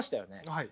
はい。